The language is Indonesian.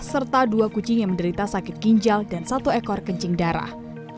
serta dua kucing yang menderita sakit ginjal dan satu ekor kencing darah